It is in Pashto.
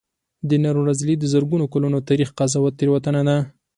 د نن ورځې لید د زرګونو کلونو تاریخ قضاوت تېروتنه ده.